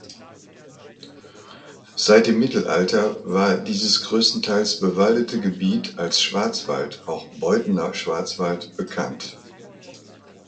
Seit dem Mittelalter war dieses größtenteils bewaldete Gebiet als "Schwarzwald" (auch "Beuthener Schwarzwald") bekannt.